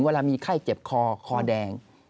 เวลามีไข้เจ็บคอคอแดง